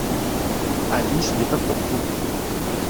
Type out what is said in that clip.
Alice n’est pas pour vous !